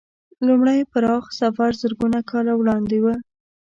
لومړی پراخ سفر زرګونه کاله وړاندې و.